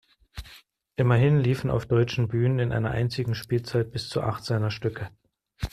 Immerhin liefen auf deutschen Bühnen in einer einzigen Spielzeit bis zu acht seiner Stücke.